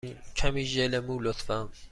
کمی ژل مو، لطفا.